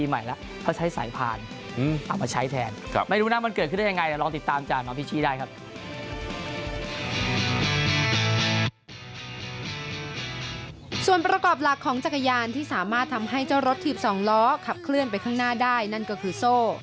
หลังจักรยานที่สามารถทำให้เจ้ารถถีบ๒ล้อขับเคลื่อนไปข้างหน้าได้นั่นก็คือโซ่